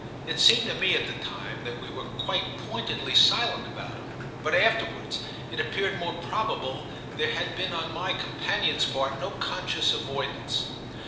It seemed to me at the time that we were quite pointedly silent about him; but afterwards it appeared more probable there had been on my companion's part no conscious avoidance.